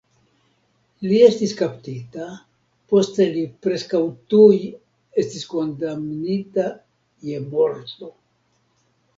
Li estis kaptita, poste li preskaŭ tuj estis kondamnita je morto.